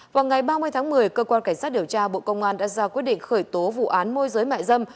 vào ngày ba mươi tháng một mươi cơ quan cảnh sát điều tra bộ công an đã ra quyết định khởi tố vụ án môi giới mại dâm